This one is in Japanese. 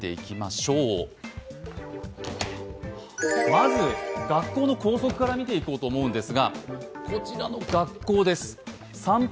まず、学校の校則から見ていこうと思うんです。